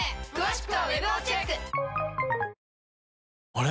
あれ？